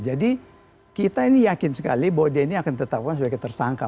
jadi kita ini yakin sekali bahwa dia ini akan ditetapkan sebagai tersangka